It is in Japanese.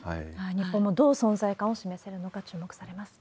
日本もどう存在感を示せるのかが注目されます。